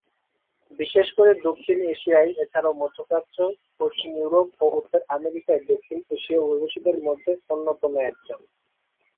বিশেষ করে দক্ষিণ এশিয়ায়, এছাড়াও মধ্যপ্রাচ্য, পশ্চিম ইউরোপ ও উত্তর আমেরিকায় দক্ষিণ এশীয় অভিবাসীদের মধ্যে অন্যতম একজন।